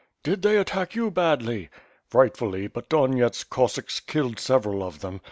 "Did they attack you badly?" "Frightfully, but Donyets's Cossacks killed several of them.